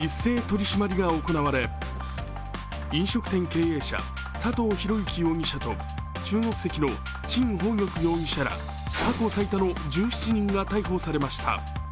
今週警視庁による一斉取り締まりが行われ、飲食店経営者、佐藤弘之容疑者と中国籍の陳鳳玉容疑者ら過去最多の１７人か逮捕されました。